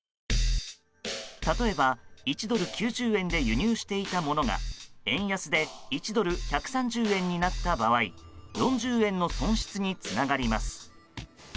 例えば１ドル＝９０円で輸入していたものが円安で１ドル＝１３０円になった場合４０円の損失につながります。